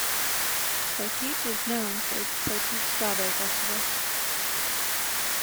Poteet is known for its "Poteet Strawberry Festival".